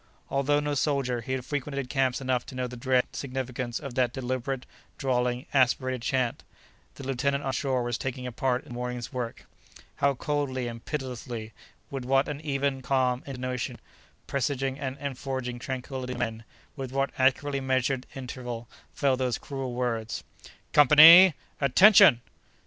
Although no soldier, he had frequented camps enough to know the dread significance of that deliberate, drawling, aspirated chant; the lieutenant on shore was taking a part in the morning's work. How coldly and pitilessly—with what an even, calm intonation, presaging, and enforcing tranquility in the men—with what accurately measured interval fell those cruel words: "Company!… Attention!